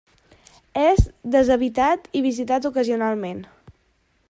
És deshabitat i visitat ocasionalment.